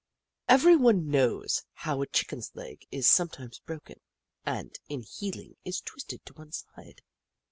Every one knows how a Chicken's leg is sometimes broken, and, in healing, is twisted to one side.